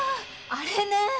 あれね。